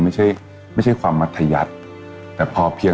ส่วนความเพียงเราก็ถูกพูดอยู่ตลอดเวลาในเรื่องของความพอเพียง